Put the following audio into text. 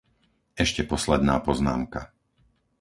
Ešte posledná poznámka.